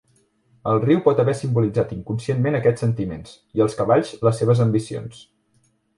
El riu pot haver simbolitzat inconscientment aquests sentiments i els cavalls les seves ambicions.